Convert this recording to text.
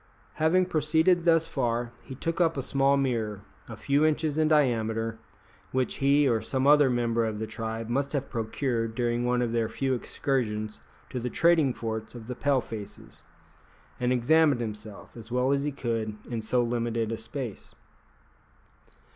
Having proceeded thus far, he took up a small mirror, a few inches in diameter, which he or some other member of the tribe must have procured during one of their few excursions to the trading forts of the Pale faces, and examined himself, as well as he could, in so limited a space.